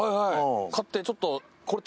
買ってちょっと。